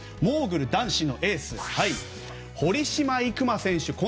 モーグル男子のエース堀島行真選手。